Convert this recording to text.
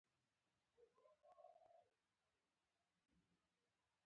اقتصادي وده اوس ورو شوې خو لا هم پیاوړې ده.